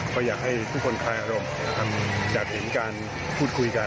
ก็อยากให้ทุกคนคลายอารมณ์อยากเห็นการพูดคุยกัน